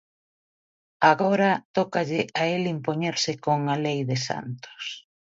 Agora tócalle a el impoñerse con "A lei de Santos".